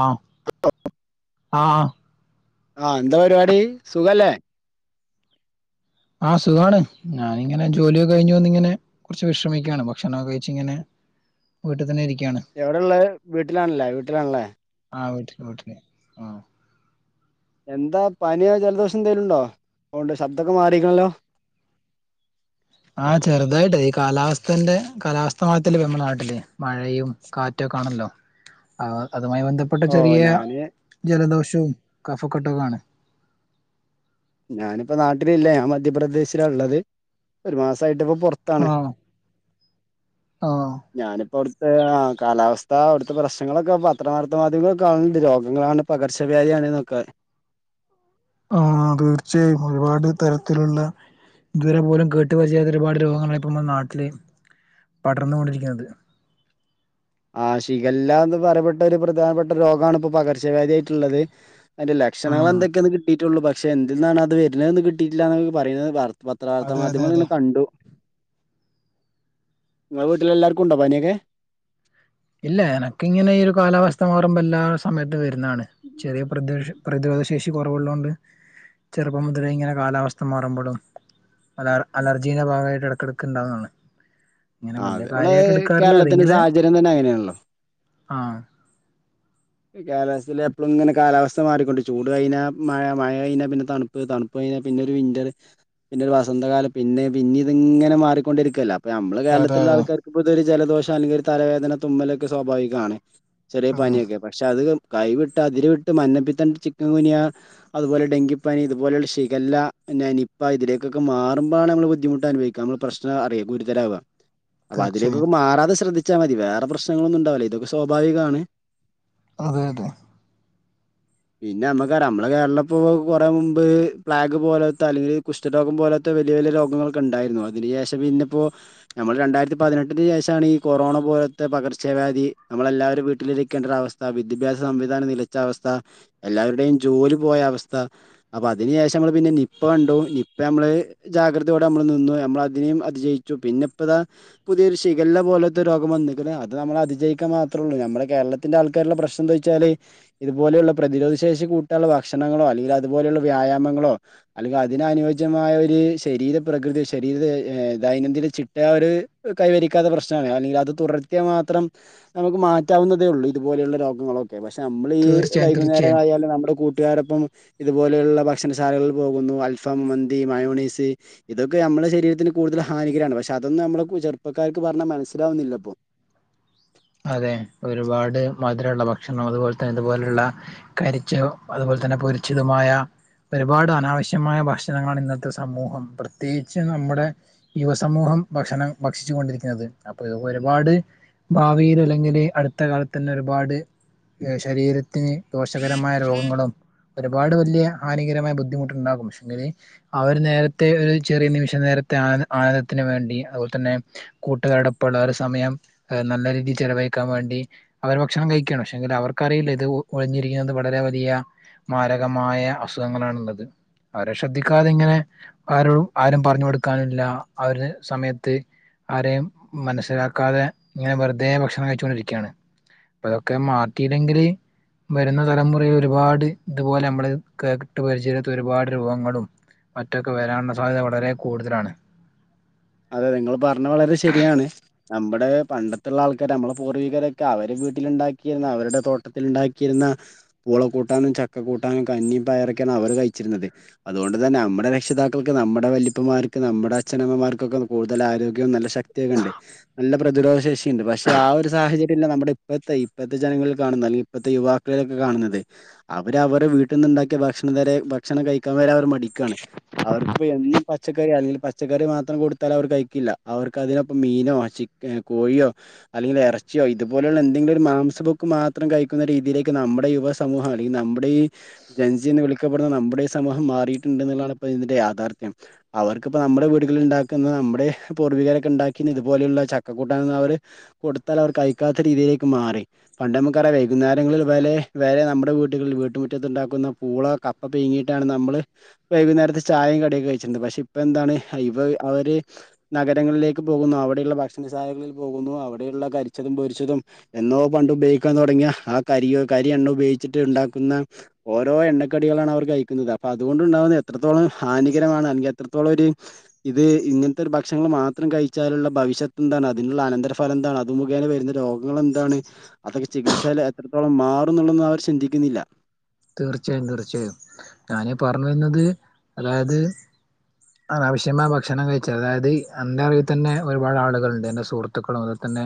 ആഹ് ആഹ് ആഹ് എന്ത പരുപാടി സുഖല്ലെ ആഹ് സുഖവാണ് ഞാനിങ്ങനെ ജോലിയൊകെ കഴിഞ്ഞു വന്ന് ഇങ്ങനെ കൊറ്ച്ച് വിശ്രമിക്കാണ് ഭക്ഷണൊകെ കഴിച്ചിങ്ങനെ വീട്ടി തന്നെ ഇരിക്കാണ് എവിടെള്ളത് വീട്ടിലാണല്ലെ വീട്ടിലാൺലെ ആഹ് വീട്ട്ല് വീട്ട്ല് ആഹ് എന്താ പനിയൊ ജലദോഷെന്തേലുണ്ടൊ? അതോണ്ട് ശബ്ദൊക്കെ മാറിക്ക്ണല്ലൊ ആഹാ ചെറ്തായിട്ട്. ഈ കാലാവസ്ഥന്റെ കാലാവസ്ഥ മാറ്റല്ലെ ഞമ്മളെ നാട്ടില് മഴയും കാറ്റൊക്കാണല്ലൊ. അതുമായി ബന്ധ പട്ടെ ഓ ചെറീ ഞാന് ജലദോഷം കഫക്കെട്ടൊകാണ് ഞാനിപ്പൊ നാട്ടിലില്ല. ഞാൻ മധ്യപ്രദേശിലാ ഇള്ളത് ഒരു മാസായിട്ട് ഇപ്പൊ പൊറ് ത്താണ് ആഹ് ആഹ് ഞാനിപ്പൊ അവിട്ത്തെ കാലാവസ്ഥ അവിട്ത്തെ പ്രശ്നങ്ങളൊക്ക പത്രവാർത്ത മാധ്യമങ്ങളൊക്ക കാണൽണ്ട് രോഗങ്ങളാണ് പകർച്ചവ്യാദിയാണ് ന്നൊക്ക ആഹ് തീർച്ചയായും. ഒരുപാട് തരത്തില്ള്ള ഇതുവരെ പോലും കേട്ട്പരിചയത്തൊര് ഒരുപാട് രോഗങ്ങളാണ് ഇപ്പ നമ്മ്ടെ നാട്ടില് പടർന്നുകൊണ്ടിരിക്ക്ന്നത് ആഹ് ശിഖല്ലാന്ന് പറയപ്പെട്ടൊര് പ്രധാനപ്പെട്ട രോഗാണ് ഇപ്പൊ പകർച്ചവ്യാധി ആയിട്ട്ള്ളത് അയിന്റെ ലക്ഷണങ്ങള് ആഹ് എന്തൊക്കെന്ന് കിട്ടിട്ടൊള്ളു പക്ഷെ എന്തിൽന്നാണത് വർന്നേന്ന് കിട്ടീട്ടില്ലന്നൊക പറീണത് പത്രവാർത്ത അതെ അതെ മാധ്യമങ്ങൾല് അതെ ഇങ്ങന കണ്ടു ഇങ്ങള വീട്ട്ലെല്ലാർക്കുണ്ടൊ പനിയൊക്കെ ഇല്ല എനക്കിങ്ങനെ ഈ ഒര് കാലാവസ്ഥ മാറുമ്പൊ എല്ലാ സമയത്തും വര്ന്നാണ് ചെറിയ പ്രദേഷം പ്രതിരോധ ശേഷി കൊറവ്ള്ളോണ്ട് ചെറുപ്പം മുതലേ ഇങ്ങനെ കാലാവസ്ഥ മാറുമ്പളും അലർ അലർജീന്റെ ഭാഗായിട്ട് ഇടയ്ക്കെടക്ക് ഇണ്ടാവുന്നാണ് ആഹ് അത് ഞമ്മളെ കേരളത്തിന്റെ സാഹചര്യം തന്നെ അങ്ങനെയാണല്ലൊ ആഹ് കേരളത്തിലെ എപ്പളും ങ്ങനെ കാലാവസ്ഥ മാറിക്കൊണ്ട് ചൂട് കഴിഞ്ഞാ മഴ മഴ കഴിഞ്ഞ പിന്നെ തണ് പ്പ് തണുപ്പ് കഴിഞ്ഞ പിന്നൊരു വിന്റർ പിന്നൊരു വസന്തകാലം പിന്നെ പിന്നെ ഇതിങ്ങനെ മാറിക്കൊണ്ടിരിക്കല്ലെ ഇപ്പ ഞമ്മള അതെ കേരളത്തില്ള്ള അതെ ആൾക്കാർക് ഇപ്പൊ ഇതൊര് ജലദോഷം അല്ലെങ്കി ഒരു തലവേദന തുമ്മലൊക്കെ സ്വാഭാവികാണ് ചെറിയ അതെ പനിയൊക്കെ പക്ഷെ അത് കൈവിട്ട് അതിര് വിട്ട് മഞ്ഞപ്പിത്തണ്ട് ചിക്കൻ ങ്കുനിയ അതുപോലെ ഡെങ്കിപ്പനി ഇതുപോല്ള്ള ശിഖല്ല, നിപ്പ ഇതിലേകൊക്കെ മാറുമ്പാണ് ഞമ്മള് ബുദ്ധിമുട്ട് അുഭവ നമ്മള് പ്രശ്നാറി ഗുരുതരാവ ഉ അപ്പ അതിലേകൊക്കെ മാറാതെ ശ്രദ്ധിച്ചാ മതി വേറെ പ്രശ്നങ്ങളൊന്നുണ്ടാവില്ല ഇതൊക്കെ സ്വാഭാവികാണ് അതെതെ പിന്നെ നമ്മക്കറ്യ നമ്മള് കേരളപ്പോ കൊറേ മുമ്പ് ഫ്ളാഗ് പോലത്ത തലയിൽ കുഷ് ട്ട രോഗം പോലാത്തെ വല്യ വല്യ രോഗങ്ങൾക്കെണ്ടായിരുന്നു അതിന് ശേഷം പിന്നിപ്പോ നമ്മള് രണ്ടായിരത്തി പതിനെട്ടിന് ശേഷാണീ ഈ കൊറോണ പോലത്തെ പകർച്ചവ്യാധി നമ്മളെല്ലാവരും വീട്ടിലിരിക്കേണ്ട ഒരു അവസ് ത്ത വിദ്യബാസ സംവിധാനം നിലച്ച അവസ്ഥ എല്ലാവരുടെയും ജോലി പോയ അവസ്ഥ അപ്പൊ അതിന് ശേഷം നമ്മള് പിന്നെ നിപ്പ കണ്ടു നിപ്പ അമ്മള് ജാഗ്രതയോടെ നമ്മള് നിന്നു നമ്മൾതിനെയും അതിജയിച്ചു പിന്നെ ഇപ്പതാ പുതിയൊരു ഷിഗല്ല പോലത്തെ രോഗം വന്നിക്ക്‌ണ് അത് നമ്മള് അതിജയിക്കൻ മാത്രേള്ളൂ നമ്മുടെ കേരളത്തിന്റെ ആൾ കാര്ള്ള പ്രശ്നം എന്ത വെച്ചാല് ഇതുപോലെയുള്ള പ്രതിരോധ ശേഷി കൂട്ടാനുള്ള ഭക്ഷണങ്ങളോ അല്ല അതുപോലെയുള്ള വ്യായാമങ്ങളോ അല്ലെങ്കില് അതിന് അനുയോജ്യമായരു ശരീര പ്രകൃതി ശരീര ദൈനംദിന ചിട്ട ആഹ് ഒര് കൈവരിക്കാത പ്രശ്നാണ് അല്ലെങ്കിൽ അത് തുടർത്തിയാ മാത്രം നമുക്ക് മാറ്റാവുന്നതേ ഉള്ളൂ ഇതുപോലെയുള്ള രോഗങ്ങളൊക്കെ പക്ഷെ നമ്മൾ ഈ തീർച്ചയായും വൈകുന്നേരാ തീർച്ചയായും യാലും നമ്മുടെ കൂട്ടുകാരൊപ്പം ഇതുപോലെയുള്ള ഭക്ഷണശാലകളിൽ പോകുന്നു അൽഫം മന്തി മയോനൈസ് ഇതൊക്കെ അമ്മെളെ ശരീരത്തിന് കൂടുതൽ ഹാനികരാണ് പക്ഷെ അതന്നും നമ്മള് ചെറുപകാർക്ക് പറഞ്ഞാ മനസിലാവുന്നില്ലപ്പൊ അതെ ഒരുപാട് മധുരള്ള ഭക്ഷണം അതുപോൽതെ ഇതുപോലെയുള്ള കരിചോ അതുപോലെ തന്നെ പൊരിച്ചതുമായ ഒരുപാട് അനാവശ്യമായ ഭക്ഷണങ്ങണ് ഇന്നത്തെ സമൂഹം പ്രത്യേകിച്ച് നമ്മുടെ യുവസമൂഹം ഭക്ഷണം ഭക്ഷിച്ചു കൊണ്ടിരിക്കണത് അപ്പൊ ഇതൊക്ക ഒരുപാട് ഭാവിയില് അല്ലെങ്കില് അടുത്ത കാലത്തനേയ് ഒരുപാട് ശരീരത്തിന് ദോഷകരമായ രോഗങ്ങളും ഒരുപാട് വല്ല്യ ഹാനികരമായ ബുദ്ധിമുട്ടുണ്ടാകും പക്ഷെങ്കില് അവര് നേരത്തെ ഒരു ചെറിയ നിമിഷം നേരത്തെ ആന ആനന്ദത്തിന് വേണ്ടി അതുപോലെ തന്നെ കൂട്ടുകാരട് ഒപ്പോള്ളരു സമയം നല്ല രീതിയിൽ ചെലവഴിക്കാൻ വേണ്ടി അവര് ഭക്ഷണം കഴിക്കാണ് പക്ഷെങ്കി അവർക്കറിയില്ല ഇത് ഒഴിഞ്ഞിരിക്കുന്നത് വളരെ വലിയ മാരകമായ അസുഅങ്ങളാണുള്ളത് അവരെ ശ്രദ്ധിക്കാതെ ഇങ്ങനെ ആരും ആരും പറഞ്ഞു കൊടുക്കാനില്ല, ആ ഒര് സമയത്ത് ആരെയും മനസ്സിലാക്കാതെ ഇങ്ങനെ വെറുതേ ഭക്ഷണം കഴിച്ച്കൊണ്ടിരിക്കാണ്. ഇപ്പതൊക്കെ മാറ്റീനെല്ലെങ്കില് വരുന്ന തലമുറയെ ഒരുപാട് ഇതുപോലമ്മള് കേട്ട് പരിചയില്ലാത്ത ഒരുപാട് രോഗങ്ങളും അറ്റാക്ക് വരാനുള്ള സാധ്യത വളരെ കൂടുതലാണ്‌. അതെ നിങ്ങള് പറഞ്ഞെ വളരെ ശരിയാണ്. നമ്മ്ടെ പണ്ടത്തുള്ളാൾക്കാര് നമ്മളെ പൂർവികരൊക്കെ അവര് വീട്ടില് ഇണ്ടാക്കിയിരുന്ന അവരുടെ തോട്ട് ട്ടത്തിൽ ഇണ്ടാക്കിയിര്ന്ന പൂള കൂട്ടാനും, ചക്ക കൂട്ടാനും, കഞ്ഞിം പയറൊക്കേണ് അവര് കഴിച്ചിരുന്നത്. അതുകൊണ്ട് തന്നെ നമ്മുടെ രക്ഷിതാക്കൾക്ക് നമ്മുടെ വല്ലി പ്പമാർക്ക് നമ്മുടെ അച്ഛനമ്മമാർ ക്കൊക്കെ കൂടുതൽ ആരോഗ്യവും നല്ല ശക്തിയൊക്കെണ്ട്. നല്ല പ്രതിരോധ ശേഷിയ്ണ്ട്. പക്ഷെ ആ ഒരു സാഹചര്യല്ല നമ്മുടെ ഇപ്പത്തെ ഇപ്പത്തെ ജനങ്ങളിൽ കാണുന്നെ, അല്ലെങ്കിൽ ഇപ്പത്തെ യുവാ [unintelligible] കാണുന്നത്. അവര് അവരെ വീട്ട്ന്ന്- ണ്ടാക്കിയ ഭക്ഷണം വരെ ഭക്ഷണം കഴിക്കാൻ വരേ അവര് മടിക്കാണ്. അവർക്ക്പ്പൊ എന്നും പച്ചക്കറി അല്ലെങ്കി പച്ചക്കറി മാത്രം കൊടുത് ത്താല് അവര് കഴിക്കില്ല. അവർക്ക് അതിനൊപ്പം മീനോ ചക്ക ഏ കോഴിയോ അല്ലെങ്കില് എറച്ചിയോ ഇതുപോലെള്ള എന്തെങ്കിലൊര് മാംസബുക്ക് മാത്രം കഴിക്കുന്ന രീതിയിലേക്ക് നമ്മുടെ യുവസ മൂഹാളി നമ്മുടെ ഈ ജൻസീ ന്ന് വിളിക്കപ്പെടുന്ന നമ്മുടെ ഈ സമൂഹം മാറിയിട്ടുണ്ടെന്നുള്ളതാണ് ഇപ്പ ഇതിന്റെ യാഥാർത്ഥ്യം. അവർക്ക്പ്പ നമ്മടെ വീടുകളിൽ ഇണ്ടാ [unintelligible] നമ്മുടെ പൂർവികരൊക്കെ ഉണ്ടാക്കീന്ന് ഇതുപോലെയുള്ള ചക്കക്കൂട്ടാനൊന്നു അവര് കൊടുത്താലവർ കഴിക്കാത്ത രീതിയിലേക്ക് മാറി. പണ്ടമ്മക്കറിയാ വൈകുന്നേരങ്ങളിൽ വലേ വരെ നമ്മുടെ വീടുകളിൽ വീട്ടുമുറ്റത്തുണ്ടാക്കുന്ന പൂള ക പ്പ പീങ്ങിയിട്ടാണ് നമ്മള് വൈകുന്നേരത്തെ ചായിം കടിയൊക്കെ കഴ്ച്ചിര്ന്നത്, പക്ഷെ ഇപ്പ എന്താണ് ഇവ അവര് നഗരങ്ങളിലേക്ക് പോകുന്നു, അവിടെയുള്ള ഭക്ഷണശാലകളിൽ പോകുന്നു. അവിടെയുള്ള കരിച്ചതും പൊരിച്ചതും എന്നോ പണ്ട് ഉപയോഗിക്കാൻ തൊടങ്ങിയ ആ കരിയോ കരി എണ്ണ ഉപയോഗിച്ചിട്ട് ഇണ്ടാക്കുന്ന ഓരോ എണ്ണക്കടികളാണ് അവർ കഴിക്കുന്നത്, അപ്പൊ അതുകൊണ്ടുണ്ടാവുന്ന എത്രത്തോളം ഹാനികരമാണ് അല്ലെങ്കിൽ എത്രത്തോളൊര് ഇത് ഇങ്ങൻത്തൊര് ഭക്ഷണങ്ങൾ മാത്രം കഴിച്ചാലുള്ള ഭവിഷത്തെന്താണ്, അതിനുള്ള അനന്തര ഫലം എന്താണ്, അത് മുഖേന വരുന്ന രോഗ ങ്ങളെന്താണ്? അതൊക്കെ ചികിത്സാല് എത്രത്തോളം മാറും ന്ന്ള്ളന്നും അവർ ചിന്തിക്കുന്നില്ല. തീർച്ചയായും തീർച്ചയായും. ഞാന് പറഞ്ഞു വര്ന്നത് അതായത് അനാവശ്യമായ ഭക്ഷണം കഴിച്ചത്, അതായത് എന്റെറിവിത്തന്നെ ഒരുപാട് ആളുകള്ണ്ട് എന്റെ സുഹൃ ത്തുക്കളും അതുപോലെത്തന്നെ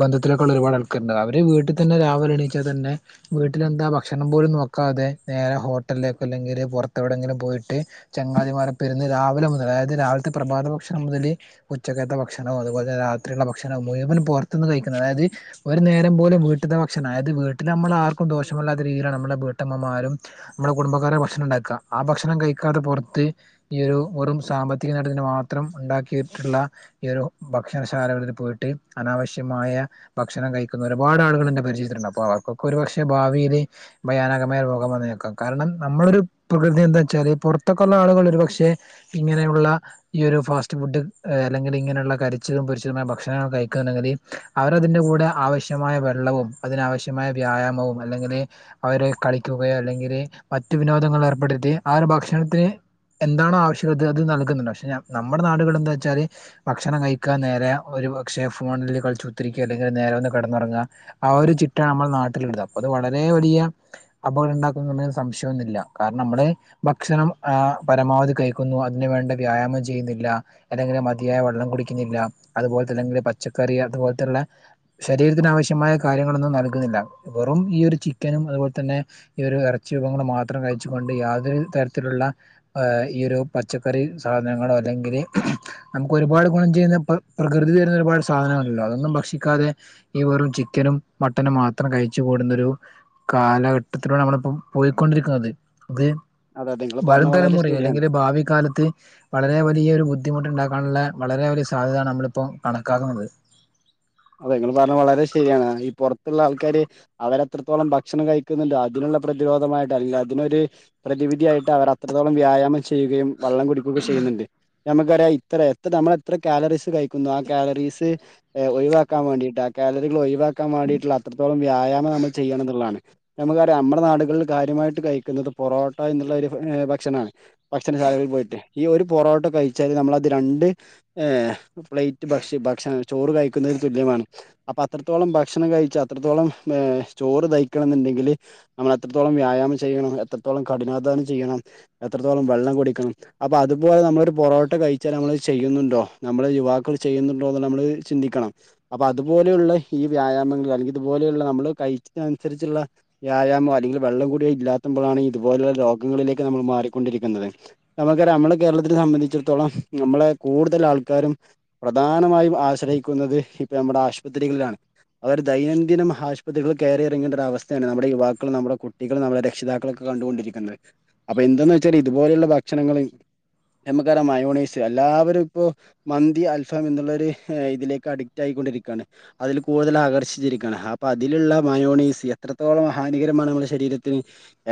ബന്ധത്തിലൊക്കെള്ള ഒരുപാട് ആൾക്കാര്ണ്ട്, അവര് വീട്ട്ത്തന്നെ രാവിലെ എണീച്ചാൽ തന്നെ വീട്ട്ലെന്താ ഭക്ഷണം പോലും നോക്കാതെ നേരെ ഹോട്ടൽലേക്ക് അല്ലെങ്കില് പൊർത്തെവിടെങ്കിലും പോയിട്ട് ചങ്ങാതിമാരൊപ്പ ഇരുന്ന് രാവിലെ മുതല്, അതായത് രാവിൽത്തെ പ്രഭാത ഭക്ഷണം മുതല് ഉച്ചക്കത്തെ ഭക്ഷണോം, അതുപോൽ തന്നെ രാത്രിള്ളെ ഭക്ഷണം മുഴുവനും പൊർത്ത്ന്ന് കഴിക്കണം അതായത് ഒരു നേരം പോലും വീട്ട്ത്തെ ഭക്ഷണം, അതായത് വീട്ടിലമ്മളാർക്കും ദോഷമല്ലാത്ത രീതിയിലാണ് നമ്മുടെ വീട്ടമ്മമാരും നമ്മുടെ കുടുംബക്കാരാ ഭക്ഷണണ്ടാക്ക. ആ ഭക്ഷണം കഴിക്കാതെ പൊർത്ത് ഈ ഒരു വെറും സാമ്പത്തിക നേട്ടത്തിന് മാത്രം ഉണ്ടാക്കിയിട്ട്ള്ള ഈ ഒരു ഭക്ഷണശാലകളിൽ പോയിട്ട്, അനാവശ്യമായ ഭക്ഷണം കഴിക്കുന്ന ഒരുപാടാളുകൾ എന്റെ പരിചയത്തില്ണ്ട്. അപ്പൊ അവർക്കൊക്കെ ഒരുപക്ഷെ ഭാവിയില് ഭയാനക മായ രോഗം വന്നേക്കാം. കാരണം, നമ്മളൊരു പ്രകൃതി എന്താച്ചാല് പൊർത്തൊക്കെള്ള ആളുകൾ ഒരു പക്ഷെ ഇങ്ങനെയുള്ള ഈ ഒരു ഫാസ്റ്റ് ഫുഡ്, ഏ അല്ലെങ്കില് ഇങ്ങനെയുള്ള കരിച്ചതും, പൊരിച്ചതുമായ ഭക്ഷണങ്ങൾ കഴിക്കാണെങ്കില് അവരതിന്റെകൂടെ ആവശ്യമായ വെള്ളവും, അതിനാവശ്യമായ വ്യായാമവും അല്ലെങ്കില് അവരെ കളിക്കുകയോ അല്ലെങ്കില്, മറ്റു വിനോദങ്ങൾ ഏർപ്പെടുത്തി ആ ഒരു ഭക്ഷണത്തിന് എന്താണാവശ്യകത് അത് നൽകുന്നുണ്ട്, പക്ഷെ നമ്മുടെ നാടുകൾ എന്താച്ചാല് ഭക്ഷണം കഴിക്കാൻ നേരേ ഒരു പക്ഷെ ഫോൺള് കൾച്ച് കുത്തിഇരിക്കാ അല്ലെങ്കി നേരേ വന്ന് കേടന്നൊറങ്ങാ ആ ഒരു ചിട്ട ഞമ്മളെ നാട്ടിലുല്ലാ അപ്പൊ അത് വളരെ വലിയാ അപകടം ണ്ടാക്കുമെന്ന് സംശയൊന്നുല്ലാ കാര്ണം നമ്മള് ഭക്ഷണം ആ പരമാവധി കഴിക്കുന്നു അതിന് വേണ്ട വ്യായാമം ചെയ്യുന്നില്ലാ. [unintelligible] മതിയായ വെള്ളം കുടിക്കുന്നില്ല അതുപോൽത്തേ അല്ലെങ്കില് പച്ചക്കറി അതുപോൽത്തള്ള ശരീരത്തിന് ആവശ്യമായ കാര്യങ്ങളൊന്നും നൽകുന്നില്ല വെറും ഈ ഒരു ചിക്കനും അതുപോൽ തന്നെ ഈ ഒരു എറച്ചി വിഭവങ്ങള് മാത്രം കഴിച്ചുകൊണ്ട് യാതൊരു തര്ത്തിലുള്ള ഈ ഒരു പച്ചക്കറി സാധനങ്ങളോ അല്ലെങ്കില് നമുക്ക് ഒരുപാട് ഗുണം ചെയ്യുന്ന പ്ര പ്രകൃതി തരുന്ന ഒരുപാട് സാധനങ്ങളല്ലോ അതൊന്നും ഭക്ഷിക്കാതെ ഈ വെറും ചിക്കനും മട്ടനും മാത്രം കഴിച്ചു കൂടുന്ന ഒരു കാലഘ ത്തിലൂടെ നമ്മളിപ്പം പോയിക്കൊണ്ടിരിക്കുന്നത് ത് അതെ നിങ്ങൾ വരും പറഞ്ഞ വളരെ തലമുറ ശരിയാണ് അല്ലെങ്കില് ഭാവി കാലത്ത് വളരെ വലിയ ഒരു ബുദ്ധിമുട്ട് ണ്ടാക്കാന്ള്ള വളരെ വലിയ സാധ്യതാണ് നമ്മള്പ്പൊ കണക്കാക്കുന്നത്. അതെ ങ്ങള് പർഞ്ഞ വളരെ ശേരിയാണ് ഈ പൊറത്ത്ള്ള ആൾക്കാര് അവരത്രത്തോളം ഭക്ഷണം കഴിക്ക്ന്ന്ണ്ട് അതിനുള്ള പ്രതിരോധമായിട്ട് എല്ലാ തിനൊരു പ്രതിവിധിയായിട്ട് അവർ അത്രത്തോളം വ്യായാമം ചെയ്യുകയും വള്ളം കുടിക്കൊക്കേ ചെയ്യുന്ന്ണ്ട്. ഞമ്മക്കറിയാം ഇത്ര എത്ര നമ്മള എത്ര കേലറീസ് കഴിക്കുന്നു ആ കേലറീസ് എ ഒയ് വാ ക്കാം വേണ്ടിട്ട് ആ കേലറികൾ ഒയ് വാക്കാം വാണ്ടീട്ട്ള്ള അത്രത്തോളം വ്യായാമം നമ്മള് ചെയ്യണം ന്ന്ള്ളാണ്. നമുക്കറിയാം നമ്മടെ നാട്കൾല് കാര്യമായിട്ട് കഴിക്കുന്നത് പൊറോട്ട എന്നുള്ള ഒരു ഭക്ഷണാ. ഭക്ഷണശാലകളിൽ പോയിട്ട് ഈ ഒരു പൊറോട്ട കയ്ച്ചാല് ന്നമ്മളത് രണ്ട് ഏഹ് പ്ലേറ്റ് ഭക്ഷ ഭക്ഷണ ചോ ടു കയ്ക്കുന്നര് തുല്യമാണ്, അപ്പൊ അത്രത്തോളം ഭക്ഷണം കഴിച്ച അത്രത്തോളം ഏ ചോറ് ദയ്ക്കണം ന്ന്ണ്ടെങ്കില് നമ്മള എത്രത്തോളം വ്യായാമം ചെയ്യണം, എത്രത്തോളം കഠിനാധ്യാനം ചെയ്യണം, എത്രത്തോളം വെള്ളം കുടിക്കണം. അപ്പൊ അതുപോലെ നമ്മളൊരു പൊറോട്ട കയ്ച്ചാൽ നമ്മള് ചെയ്യുന്നുണ്ടോ, നമ്മളെ യുവാക്കൾ ചെയ്യുന്നുണ്ടോന്ന്ള്ളത് നമ്മള് ചിന്തിക്കണം. അപ്പൊ അതുപോലെയുള്ള ഈ വ്യായാമങ്ങൾ അല്ലെങ്കി ഇതുപോലെയുള്ള നമ്മള് കയ്ച്ച അൻസര്ച്ച്ള്ള വ്യായാമൊ അല്ലെങ്കില് വെള്ളം കുടിയോ ഇല്ലാത്ത്മ്പ്ളാണ് ഇതുപോലേ രോഗങ്ങളിലേക്ക് ഞമ്മൾ മാറിക്കൊണ്ടിരിക്കുന്നത്. നമുക്കറിയാം ഞമ്മടെ കേരളത്തിനെ സംബന്ധിച്ചിട്ത്തോളം ഞമ്മളെ കൂടുതല് ആൾക്കാരും പ്രധാനമായും ആശ്രയിക്കുന്നത് ഇപ്പൊ ഞമ്മടെ ആശുപത്രികളിലാണ്. അവർ ദൈനംദിനം ആശുപത്രികൾല് കയറിയിറങ്ങേണ്ട ഒരു അവസ്ഥേണ് നമ്മുടെ യുവാക്കളും, നമ്മുടെ കുട്ടികളും, നമ്മുടെ രക്ഷിതാക്കള് കണ്ടൊണ്ടിരിക്കണ്ടേ അപ്പൊ എന്തെന്ന് വെച്ചാല് ഇതുപോലുള്ള ഭക്ഷണങ്ങള് ഞമ്മക്കറിയാം മയോനൈസ് എല്ലാവരും ഇപ്പോ മന്തി, അൽഫാം, എന്നുള്ളൊര് ഇതിലേക്ക് അടി റ്റായിക്കൊണ്ടിരിക്കാണ്. അതിൽ കൂടുതൽ ആകർഷിച്ചിരിക്ക്ണ്, അപ്പൊ അതില്ള്ള മയോണീസ് എത്രത്തോളം ഹാനീകരമാണ് ഞമ്മളെ ശരീരത്തിന്.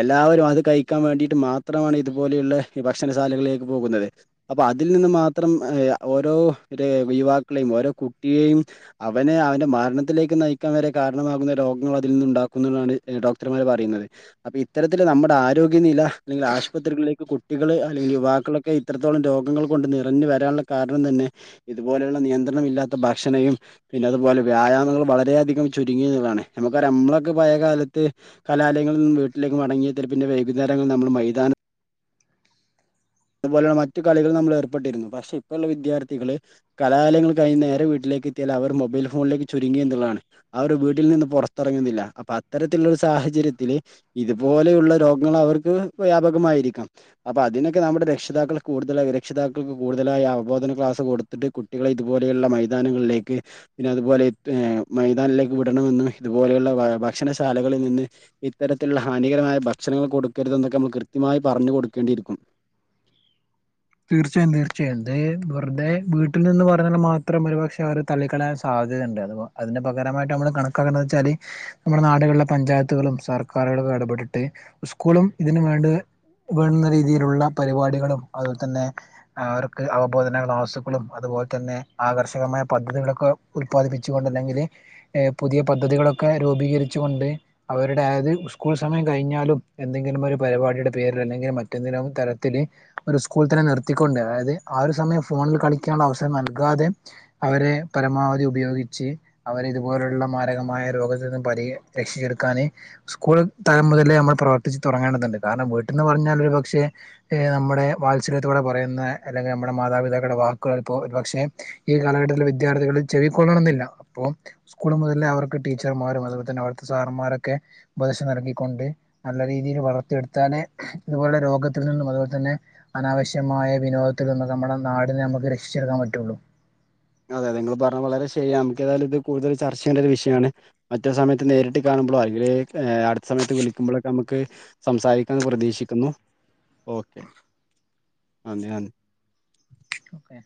എല്ലാവരും അത് കയ്ക്കാൻ വേണ്ടിയിട്ട് മാത്രമാണ് ഇതു പോലെയുള്ള ഈ ഭക്ഷണ ശാലകളിലേക്ക് പോകുന്നത്. അപ്പൊ അതിൽ നിന്ന് മാത്രം ഏ ഓരോ ര് യുവാക്കളെയും ഓരോ കുട്ടിയെയും അവനെ അവന്റെ മര്ണത്തിലേക്ക് നയിക്കാൻ വരെ കാര്ണമാകുന്ന രോഗങ്ങൾ അതിൽ നിന്ന് ഉണ്ടാക്കുന്ന്ള്ളാണ് ഏ ഡോക്ടർമാര് പറിയുന്നത്. അപ്പൊ ഇത്തരത്തില് നമ്മടെ ആരോഗ്യനില അല്ലെങ്കില് ആശുപത്രികളിലേക്ക് കുട്ടികള് അല്ലെങ്കില് യുവാക്കളൊക്കെ എത്രത്തോളം രോഗങ്ങള് കൊണ്ട് നിറഞ്ഞു വരാള്ള കാരണം തന്നെ ഇതുപോലെള്ള നിയന്ത്രണമില്ലാത്ത ഭാക്ഷണയും പിന്നെ അതുപോലെ വ്യായാമങ്ങള് വളരെയധികം ചുരുങ്ങിന്ന്ള്ളാണ് നമ്മക്കറിയാം മ്മളൊക്കെ പയേകാലത്ത് കലാലയങ്ങളിൽ നിന്നും വീട്ടിലേക്കും മടങ്ങിയ തെരപ്പിന്റെ വൈകുന്നേരങ്ങൾ ന്നമ്മള് മൈതാന അതുപോലെ മറ്റു കളികൾ നമ്മള് ഏർപ്പെട്ടിരുന്നു പക്ഷെ ഇപ്പള്ള വിദ്യാർഥികള് കലാലയങ്ങള് കഴിഞ്ഞ് നേരെ വീട്ടിലേക്ക് എത്തിയാൽ അവർ മൊബൈൽ ഫോൺലേക്ക് ചുരുങ്ങി എന്ന്ള്ളാണ്. അവർ വീട്ടിൽ നിന്ന് പൊറത്ത്റങ്ങുന്നില്ലാ, അപ്പൊ അത്തരത്തിലുള്ളൊരു സാഹചര്യത്തില് ഇത്പോലെയുള്ള രോഗങ്ങള് അവർക്ക് വ്യാപകമായിരിക്കാം, അപ്പൊ അതിനൊ ക്കെ നമ്മുടെ രക്ഷിതാക്കൾ കൂടുതലായി രക്ഷിതാക്കൾക്ക് കൂടുതലായി അവബോധന ക്ലാസ് കൊടുത്തിട്ട് കുട്ടികളെ ഇതുപോലെയുള്ള മൈ ധാനങ്ങളിലേക്ക് പിന്നെ അതുപോലെ മൈതാനിലേക്ക് വിടണമെന്നും, ഇതുപോലെയുള്ള ഭ ഭക്ഷണശാലകളിൽ നിന്ന് ഇത്തരത്തിലുള്ള ഹാനികരമായ ഭക്ഷണങ്ങൾ കൊടുക്കരുത് എന്നൊക്കെ നമ്മൾ കൃത്യമായി പറഞ്ഞു കൊടുക്കേണ്ടിയിരിക്കും. തീർച്ചയായും, തീർച്ചയായും ഇത് വെറുതെ വീട്ടിൽ നിന്ന് പറഞ്ഞാൽ മാത്രം ഒരുപക്ഷെ അവർ തള്ളിക്കളയാൻ സാധ്യതുണ്ട് അത് അതിന്റെ പകരമായിട്ട് നമ്മള് കണക്കാക്കന്ന് വെച്ചാല് നമ്മുടെ നാടുകളിലെ പഞ്ചായത്തുകളും, സർക്കാരുകളൊക്കെ ഇടപെട്ടിട്ട്. സ്കൂളും ഇതിന് വേണ്ട് വേണുന്ന രീതിയിലുള്ള പരിപാടികളും അതുപോൽതന്നെ അവർക്ക് അവബോധന ക്ലാസുകളു അതുപോൽതന്നെ ആകർഷകമായ പദ്ധതികളൊക്കെ ഉത്പാദിപ്പിച്ചുകൊണ്ട് അല്ലെങ്കില് പുതിയ പദ്ധതികളൊക്കെ രൂപീകരിച്ചുകൊണ്ട്. അവരുടെ അതായത് സ്കൂൾ സമയം കഴിഞ്ഞാലും. എന്തെങ്കിലും ഒരു പരിപാടിയുടെ പേരിൽ അല്ലെങ്കിൽ മറ്റെന്തിലും തരത്തില് ഒരു സ്കൂൾ തന്നെ നിർത്തിക്കൊണ്ട്, അതായത് ആ ഒരു സമയം ഫോണിൽ കളിക്കാനുള്ള അവസരം നൽകാതെ അവരെ പരമാവധി ഉപയോഗിച്ച്. അവരെ ഇതുപോലുള്ള മാരകമായ രോഗത്തി നിന്നും പരി രക്ഷിച്ചെടുക്കാന് സ്കൂൾ തലം മുതലേ നമ്മൾ പ്രവർത്തിച്ച് തുടങ്ങേണ്ടതുണ്ട്. കാരണം വീട്ടന്ന് പറഞ്ഞാൽ ഒരു പക്ഷെ നമ്മുടെ വാത്സല്യത്തോടെ പറയുന്ന, അല്ലെങ്കിൽ നമ്മുടെ മാതാപിതാക്കളുടെ വാക്കുകൾപ്പോ ഒരുപക്ഷെ ഈ കാലഘട്ടത്തിലെ വിദ്യാർത്ഥികളിൽ ചെവിക്കൊള്ളണംന്നില്ല. അപ്പൊ സ്കൂൾ മുതലേ അവർക്ക് ടീച്ചർമാരും അതുപോലെതന്നെ അവിടുത്തെ സാർന്മാരൊക്കെ ഉപദേശം നൽകിക്കൊണ്ട്, നല്ല രീതിയിൽ വളർത്തിയെടുത്താലെ ഇതുപോലുള്ള രോഗത്തിൽ നിന്നും, അതുപോൽതന്നെ അനാവശ്യമായ വിനോദത്തിൽ നമ്മുടെ നാടിനെ നമുക്ക് രക്ഷിച്ചെടുക്കാൻ പറ്റൂള്ളൂ. അതെ അതെ നിങ്ങള് പറഞ്ഞത് വളരെ ശരിയാ നമുക്കേതായാലും ഇത് കൂടുതൽ ചർച്ച ചെയ്യണ്ട ഒരു വിഷയാണ്. മറ്റ് സമയത്ത് നേരിട്ട് കാണുമ്പൊളോ അല്ലെങ്കിൽ അടുത്ത സമയത്ത് വിളിക്കുമ്പളൊക്കെ നമ്മക്ക് സംസാരിക്കാന്ന് പ്രതീക്ഷിക്കുന്നു. ഓക്കെ നന്ദി നന്ദി ഓക്കെ